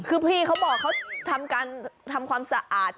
คือพี่เขาบอกเขาทำการทำความสะอาด